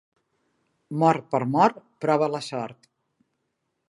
Mort per mort, prova la sort.